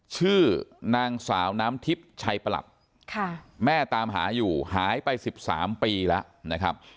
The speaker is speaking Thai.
ชื่อนางสาวน้ำทิพย์ชัยประหลัดแม่ตามหาอยู่หายไป๑๓ปีแล้วนะครับ